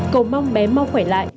cô mong bé mau khỏe lại